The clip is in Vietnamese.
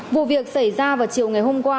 vụ việc xảy ra vào chiều ngày hôm qua